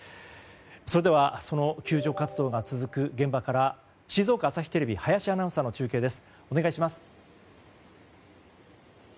それではその救助活動が続く現場から静岡朝日テレビ林アナウンサーです。